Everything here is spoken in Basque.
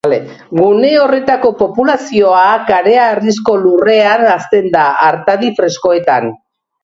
Gune horretako populazioa kareharrizko lurrean hazten da, artadi freskoetan.